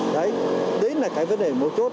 đấy là cái vấn đề mối chốt